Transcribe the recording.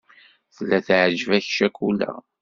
Tella teεǧeb-ak ccakula.